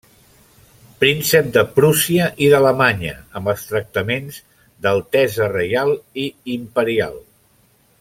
Príncep de Prússia i d'Alemanya amb els tractaments d'altesa reial i imperial.